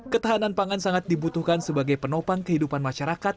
ketahanan pangan sangat dibutuhkan sebagai penopang kehidupan masyarakat